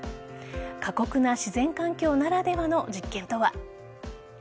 過酷な自然環境ならではの実験とは。